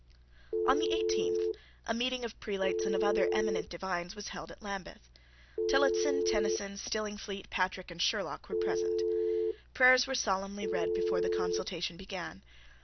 On the eighteenth a meeting of prelates and of other eminent divines was held at Lambeth. Tillotson, Tenison, Stillingfleet, Patrick, and Sherlock, were present. Prayers were solemnly read before the consultation began.